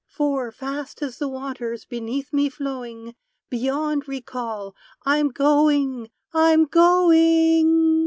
For, fast as the waters beneath me flowing, Beyond recall, I'm going! I'm going!"